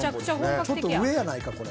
ちょっと上やないかこれ。